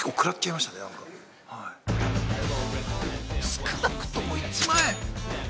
少なくとも１万円？